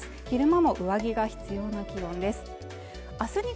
昼間も上着が必要な気温です